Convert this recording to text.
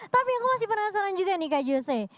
tapi aku masih penasaran juga nih kak jose